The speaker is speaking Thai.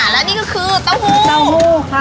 และนี่ก็คือเต้าหู้